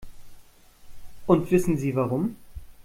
Und wissen Sie warum?